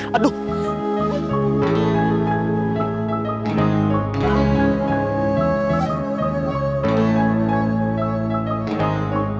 apa yang kami lakukan